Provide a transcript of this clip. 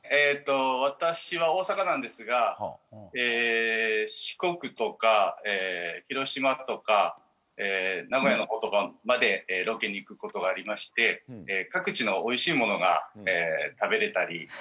えっと私は大阪なんですがえー四国とか広島だとか名古屋の方とかまでロケに行く事がありまして各地のおいしいものが食べれたり。